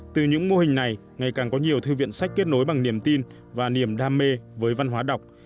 từ những mô hình này ngày càng có nhiều thư viện sách kết nối bằng niềm tin và niềm đam mê với văn hóa đọc